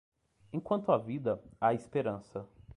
Enquanto há vida, há esperança.